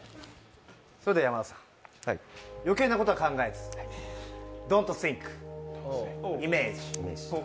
それでは山田さん、余計なことは考えずドント・シンク。